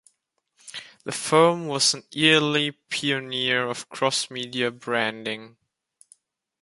The firm was an early pioneer of cross-media branding.